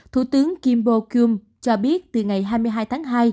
thủ tướng kim bo kyum cho biết từ ngày hai mươi hai tháng hai